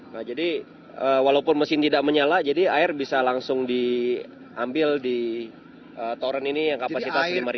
nah jadi walaupun mesin tidak menyala jadi air bisa langsung diambil di toren ini yang kapasitas lima